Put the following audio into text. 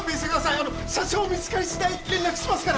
あの社長見つかりしだい連絡しますから。